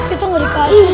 kita gak dikasih